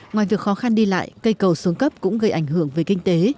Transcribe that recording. ngoài việc khó khăn đi lại cây cầu xuống cấp cũng gây ảnh hưởng về kinh tế